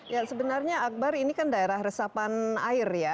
ya sebenarnya akbar ini kan daerah resapan air ya